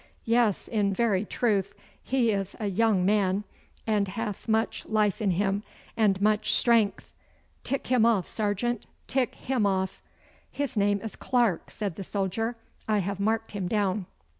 Yes, in very truth he is a young man, and hath much life in him and much strength. Tick him off, sergeant, tick him off!' 'His name is Clarke,' said the soldier. 'I have marked him down.